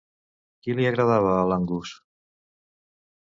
Qui li agradava a l'Angus?